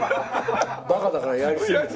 バカだからやりすぎて。